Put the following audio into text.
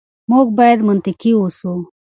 موږ بايد منطقي اوسو.